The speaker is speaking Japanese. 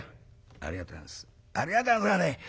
「ありがとうございます。